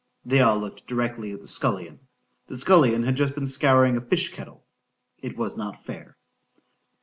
—They all looked directly at the scullion,—the scullion had just been scouring a fish kettle.—It was not fair.